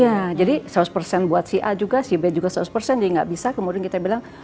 ya jadi seratus buat si a juga si b juga seratus dia nggak bisa kemudian kita bilang